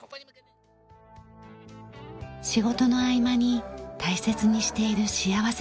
仕事の合間に大切にしている幸福時間があります。